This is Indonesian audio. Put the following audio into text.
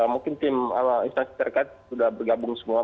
mungkin tim instansi terkait sudah bergabung semua